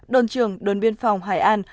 đồn trường đồn biên phòng hải an